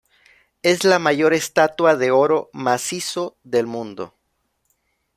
Es la mayor estatua de oro macizo del mundo.